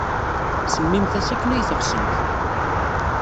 Semmimt-as akken ay teɣsemt.